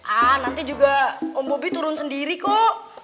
ah nanti juga om bobi turun sendiri kok